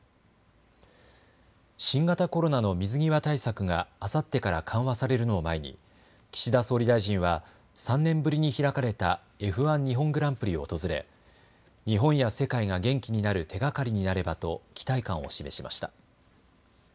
新型コロナの水際対策があさってから緩和されるのを前に岸田総理大臣は３年ぶりに開かれたＦ１日本グランプリを訪れ日本や世界が元気になる手がかりになればと期待感を示しました。